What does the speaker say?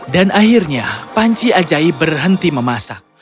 dan akhirnya panci ajaib berhenti memasak